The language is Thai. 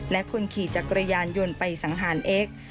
และคนขี่จักรยานยนต์ไปสังหารเอ็กซ์